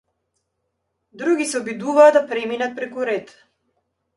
Други се обидуваа да преминат преку ред.